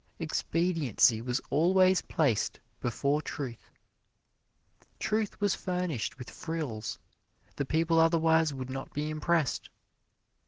Expediency was always placed before truth. Truth was furnished with frills the people otherwise would not be impressed.